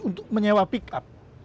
untuk menyewa pickup